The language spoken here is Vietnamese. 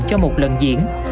cho một lần diễn